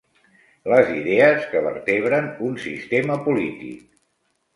Les idees que vertebren un sistema polític.